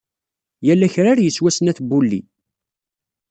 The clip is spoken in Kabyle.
Yal akrar yeswa snat n wulli.